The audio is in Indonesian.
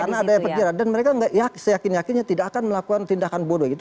karena ada efek jerah dan mereka seyakin yakinnya tidak akan melakukan tindakan bodoh gitu